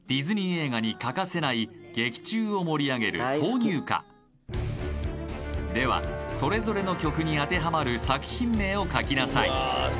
映画に欠かせない劇中を盛り上げる挿入歌ではそれぞれの曲に当てはまる作品名を書きなさい